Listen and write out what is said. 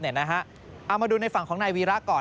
เอามาดูในฝั่งของนายวีระก่อน